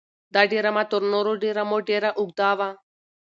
دا ډرامه تر نورو ډرامو ډېره اوږده وه.